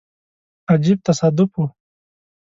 عجیب تصادف وو.